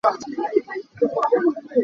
Thil man a tamtuk in kaih hlah.